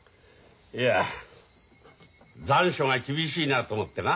いや残暑が厳しいなと思ってな。